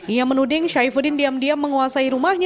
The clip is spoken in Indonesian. ia menuding syai fudin diam diam menguasai rumahnya